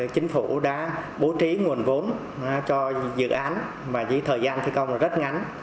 chính phủ đã bố trí nguồn vốn cho dự án mà với thời gian thi công rất ngắn